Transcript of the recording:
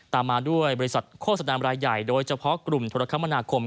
ตามมาด้วยบริษัทโฆษณารายใหญ่โดยเฉพาะกลุ่มธุรกรรมนาคม